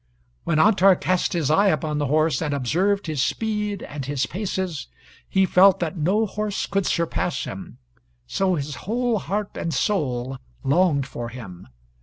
When Antar cast his eye upon the horse, and observed his speed and his paces, he felt that no horse could surpass him, so his whole heart and soul longed for him.